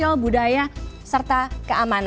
dan yang terakhir adalah memenuhi pertimbangan epidemiologi